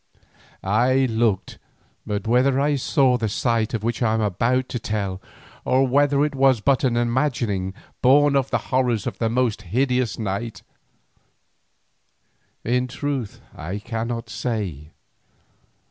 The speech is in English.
I looked, but whether I saw the sight of which I am about to tell or whether it was but an imagining born of the horrors of that most hideous night, in truth I cannot say.